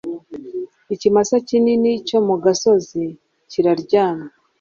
Ikimasa kinini cyo mu gasozi kiraryamye